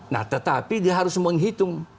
nah tetapi dia harus menghitung